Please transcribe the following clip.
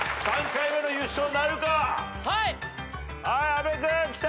阿部君きた！